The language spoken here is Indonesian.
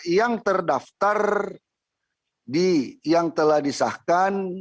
yang terdaftar yang telah disahkan